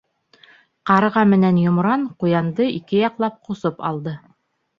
Ҡарға менән йомран ҡуянды ике яҡлап ҡосоп алды.